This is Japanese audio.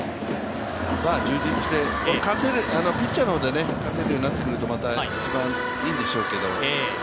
充実して、ピッチャーの方で勝てるようになってくると一番いいんでしょうけど。